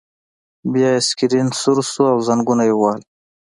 بیا یې سکرین سور شو او زنګونه یې ووهل